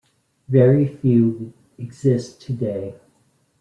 Very few exist today.